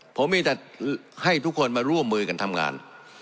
ผมมีแต่ให้ทุกคนมาร่วมมือกันทำงาน